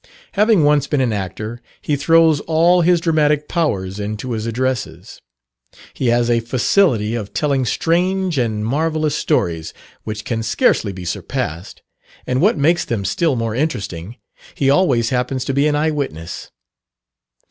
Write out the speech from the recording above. Having once been an actor, he throws all his dramatic powers into his addresses. He has a facility of telling strange and marvellous stories which can scarcely be surpassed; and what makes them still more interesting, he always happens to be an eyewitness.